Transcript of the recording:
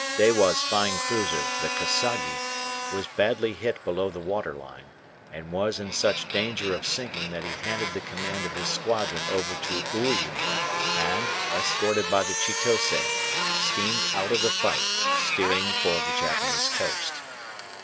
Dewa's fine cruiser, the "Kasagi," was badly hit below the waterline, and was in such danger of sinking that he handed the command of his squadron over to Uriu and, escorted by the "Chitose," steamed out of the fight, steering for the Japanese coast.